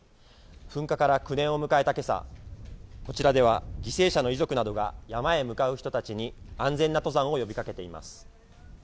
噴火から９年を迎えたけさ、こちらでは犠牲者の遺族などが、山へ向かう人たちに安全な登山を呼びかけています。